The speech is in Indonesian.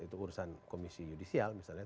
itu urusan komisi yudisial misalnya